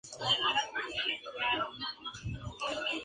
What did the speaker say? Estudió en la Real y Pontificia Universidad de San Javier en Panamá.